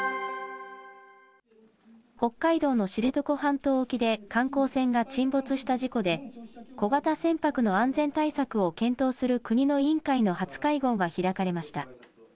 北海道の知床半島沖で観光船が沈没した事故で、小型船舶の安全対策を検討する国の委員会の初会合が開かれました。